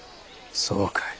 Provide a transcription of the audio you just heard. そうかい。